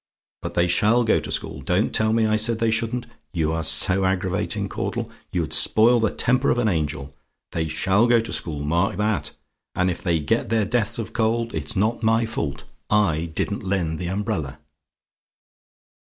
But they SHALL go to school. Don't tell me I said they shouldn't: you are so aggravating, Caudle; you'd spoil the temper of an angel. They SHALL go to school; mark that. And if they get their deaths of cold, it's not my fault I didn't lend the umbrella."